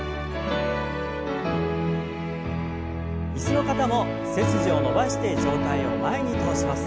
椅子の方も背筋を伸ばして上体を前に倒します。